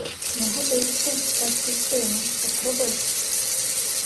Не годиться, батьків сину, так робити.